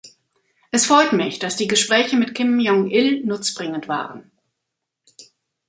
Es freut mich, dass die Gespräche mit Kim Jong Il nutzbringend waren.